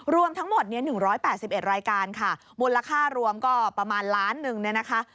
รวมทั้งหมดเนี่ย๑๘๑รายการค่ะมูลค่ารวมก็ประมาณล้านหนึ่งเนี่ยนะคะ